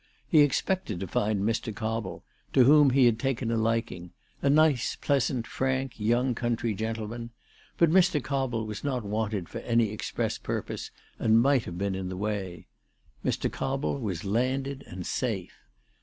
He expected to find Mr. Cobble, to whom he had taken a liking, a nice, pleasant, frank young country gentle man ; but Mr. Cobble was not wanted for any express purpose, and might have been in the way. Mr. Cobble was landed and safe.